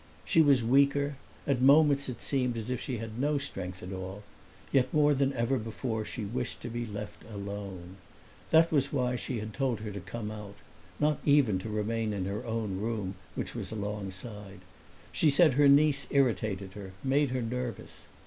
She was weaker; at moments it seemed as if she had no strength at all; yet more than ever before she wished to be left alone. That was why she had told her to come out not even to remain in her own room, which was alongside; she said her niece irritated her, made her nervous.